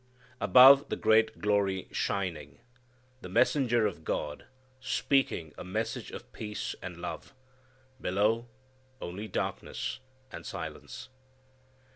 Above, the great glory shining, the messenger of God speaking a message of peace and love. Below, only darkness and silence.